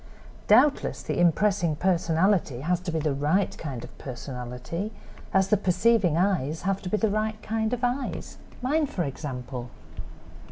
Doubtless the impressing personality has to be the right kind of personality as the perceiving eyes have to be the right kind of eyes—mine, for example."